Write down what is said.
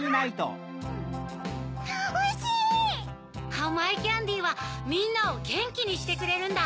あまいキャンディーはみんなをゲンキにしてくれるんだ！